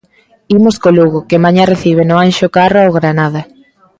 Imos co Lugo, que mañá recibe no Anxo Carro ao Granada.